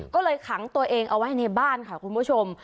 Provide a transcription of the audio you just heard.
ก็เลยขังตัวเองเอาไว้ในบ้านค่ะคุณผู้ชม